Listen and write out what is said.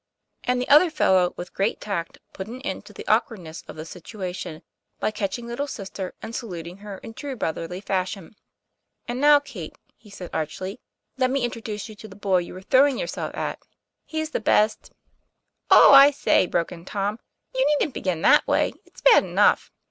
And the " other fellow " with great tact put an end to the awkwardness of the situation by catching little sister and saluting her in true brotherly fashion, ;' And now, Katie," he said archly, "let me intro duce you to the boy you were throwing yourself at. He's the best " 'Oh, I say," broke in Tom, "you needn't begin that way; it's bad enough.